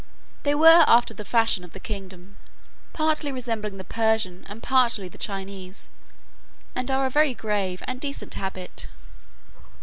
They were after the fashion of the kingdom, partly resembling the Persian, and partly the Chinese, and are a very grave and decent habit.